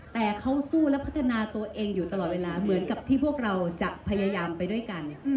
แต่เขาสู้และพัฒนาตัวเองอยู่ตลอดเวลาเหมือนกับที่พวกเราจะพยายามไปด้วยกัน